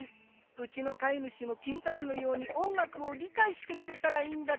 うちの飼い主も君たちのように音楽を理解してくれたらいいんだけど。